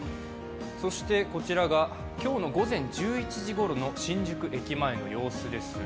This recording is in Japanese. こちらが今日の午前１１時ごろの新宿駅前の様子です。